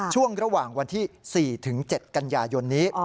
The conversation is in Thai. ช่วงระหว่างวันที่สี่ถึงเจ็ดกันยายนนี้